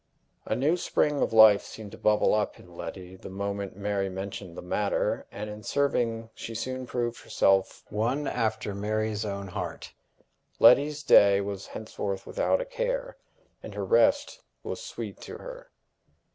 A new spring of life seemed to bubble up in Letty the moment Mary mentioned the matter; and in serving she soon proved herself one after Mary's own heart. Letty's day was henceforth without a care, and her rest was sweet to her.